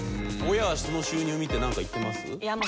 親はその収入見てなんか言ってます？